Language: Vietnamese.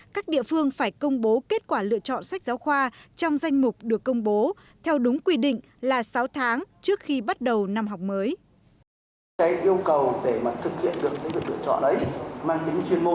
các địa phương phải công bố kết quả lựa chọn sách giáo khoa trong danh mục được công bố theo đúng quy định là sáu tháng trước khi bắt đầu năm học mới